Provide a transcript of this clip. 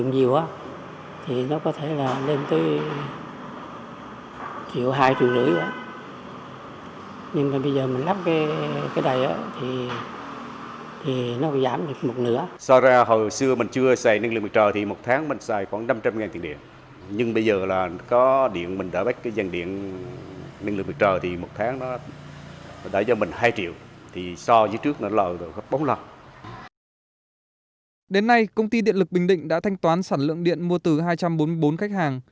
đến nay công ty điện lực bình định đã thanh toán sản lượng điện mua từ hai trăm bốn mươi bốn khách hàng